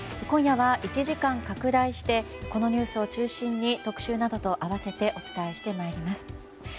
今夜は１時間拡大してこのニュースを中心に特集などと合わせてお伝えしてまいります。